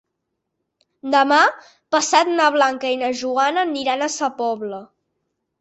Demà passat na Blanca i na Joana aniran a Sa Pobla.